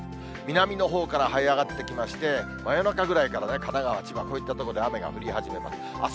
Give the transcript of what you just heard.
南のほうからはい上がってきまして、真夜中ぐらいから神奈川、千葉、こういった所で雨が降り始めます。